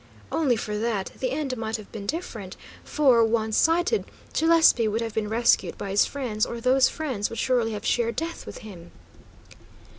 Only for that, the end might have been different, for, once sighted, Gillespie would have been rescued by his friends, or those friends would surely have shared death with him.